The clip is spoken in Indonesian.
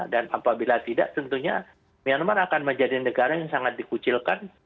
dan apabila tidak tentunya myanmar akan menjadi negara yang sangat dikucilkan